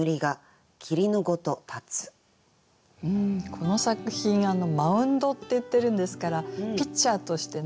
この作品「マウンド」って言ってるんですからピッチャーとしてね